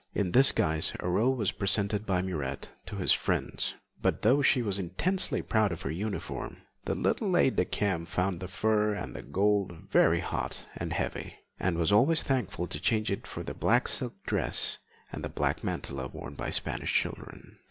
In this guise Aurore was presented by Murat to his friends, but though she was intensely proud of her uniform, the little aide de camp found the fur and the gold very hot and heavy, and was always thankful to change it for the black silk dress and black mantilla worn by Spanish children.